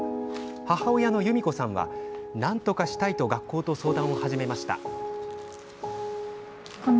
母親のゆみこさんはなんとかしたいと学校と相談を始めました。